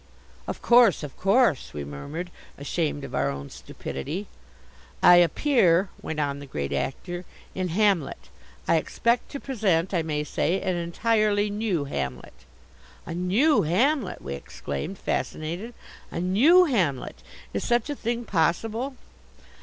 "Of course, of course," we murmured, ashamed of our own stupidity. "I appear," went on the Great Actor, "in Hamlet. I expect to present, I may say, an entirely new Hamlet." "A new Hamlet!" we exclaimed, fascinated. "A new Hamlet! Is such a thing possible?"